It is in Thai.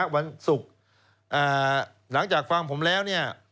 วันศุกร์หลังจากฟังผมแล้ว